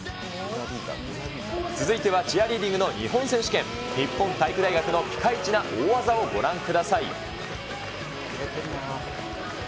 続いてはチアリーディング日本選手権大会、日本体育大学のピカイチな大技をご覧ください。